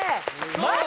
マジ！？